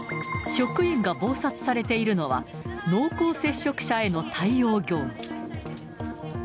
職員が忙殺されているのは、濃厚接触者への対応業務。